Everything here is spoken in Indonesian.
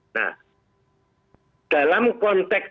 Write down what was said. nah dalam konteks